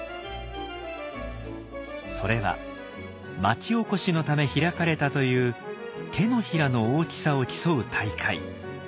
それは町おこしのため開かれたという手のひらの大きさを競う大会。